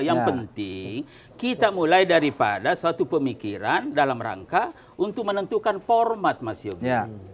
yang penting kita mulai daripada suatu pemikiran dalam rangka untuk menentukan format mas yoga